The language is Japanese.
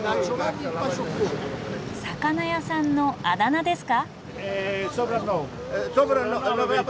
魚屋さんのあだ名ですか？